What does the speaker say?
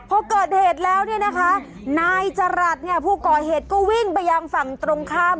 พอเกิดเหตุแล้วเนี่ยนะคะนายจรัสเนี่ยผู้ก่อเหตุก็วิ่งไปยังฝั่งตรงข้าม